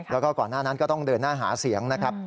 แล้วก็ก่อนหน้านั้นก็ต้องเดินหน้าหาเสียงนะครับ